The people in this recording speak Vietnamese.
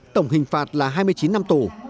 tổng hình phạt là hai mươi chín năm tù